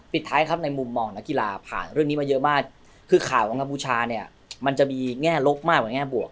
ท้ายครับในมุมมองนักกีฬาผ่านเรื่องนี้มาเยอะมากคือข่าวของกัมพูชาเนี่ยมันจะมีแง่ลบมากกว่าแง่บวก